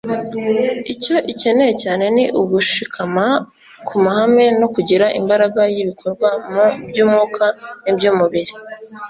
icyo ukeneye cyane ni ugushikama ku mahame no kugira imbaraga y'ibikorwa mu by'umwuka n'iby'umubiri